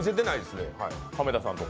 亀田さんとか。